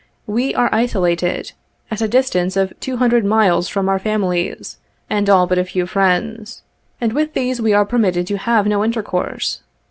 We are isolated — at a distance of two hundred miles from our families, and all but a few friends ; and with these we are permitted to have no intercourse.